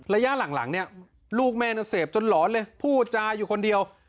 ระยะหลังเนี่ยลูกแม่น่ะเสพจนหลอนเลยพูดจาอยู่คนเดียว